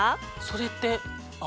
それって。